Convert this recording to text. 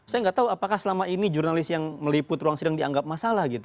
saya nggak tahu apakah selama ini jurnalis yang meliput ruang sidang dianggap masalah gitu